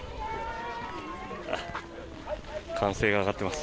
歓声が上がっています。